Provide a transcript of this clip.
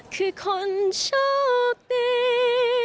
คือคนโชคดี